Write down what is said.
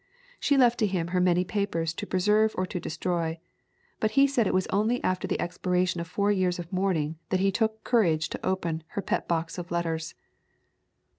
She left to him her many papers to preserve or to destroy, but he said it was only after the expiration of four years of mourning that he took courage to open her pet box of letters.